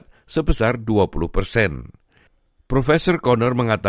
tapi beberapa jenis procedur tersebut